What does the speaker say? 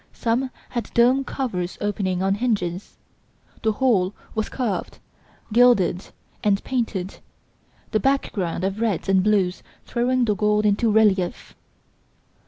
Some had domed covers opening on hinges the whole was carved, gilded and painted, the background of reds and blues throwing the gold into relief.